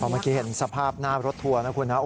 เมื่อกี้เห็นสภาพหน้ารถทัวร์นะคุณนะ